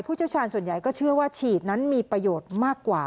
เชี่ยวชาญส่วนใหญ่ก็เชื่อว่าฉีดนั้นมีประโยชน์มากกว่า